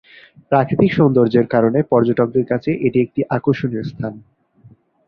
প্রাকৃতিক সৌন্দর্যের কারণে পর্যটকদের কাছে এটি একটি আকর্ষণীয় স্থান।